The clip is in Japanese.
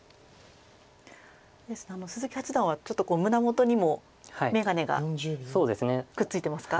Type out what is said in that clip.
鈴木八段はちょっと胸元にも眼鏡がくっついてますか。